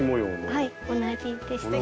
はい同じですね。